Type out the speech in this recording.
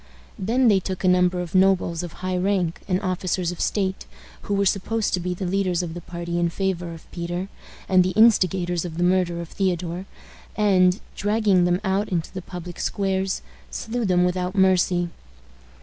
Then they took a number of nobles of high rank, and officers of state, who were supposed to be the leaders of the party in favor of Peter, and the instigators of the murder of Theodore, and, dragging them out into the public squares, slew them without mercy.